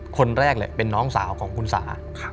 คนแรกเลยเป็นน้องสาวของคุณสา